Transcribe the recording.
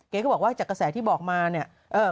ก็บอกว่าจากกระแสที่บอกมาเนี่ย